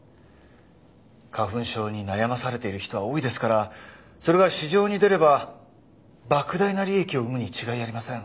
花粉症に悩まされている人は多いですからそれが市場に出れば莫大な利益を生むに違いありません。